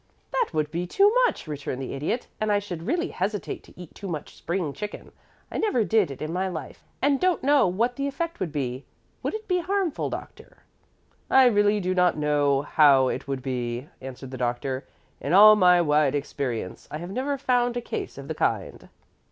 "That would be too much," returned the Idiot, "and I should really hesitate to eat too much spring chicken. I never did it in my life, and don't know what the effect would be. Would it be harmful, Doctor?" "I really do not know how it would be," answered the Doctor. "In all my wide experience I have never found a case of the kind."